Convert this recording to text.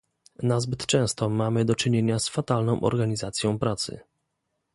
Nazbyt często mamy do czynienia z fatalną organizacją pracy